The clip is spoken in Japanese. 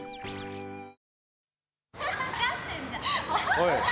おい。